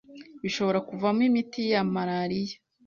bishobora kuvamwo imiti ya malaria